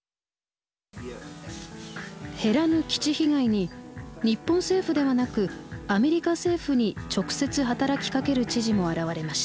減らぬ基地被害に日本政府ではなくアメリカ政府に直接働きかける知事も現れました。